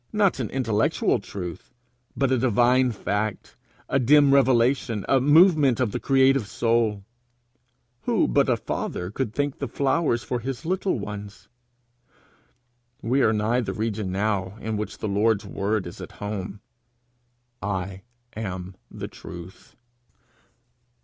not an intellectual truth, but a divine fact, a dim revelation, a movement of the creative soul! Who but a father could think the flowers for his little ones? We are nigh the region now in which the Lord's word is at home 'I am the truth.'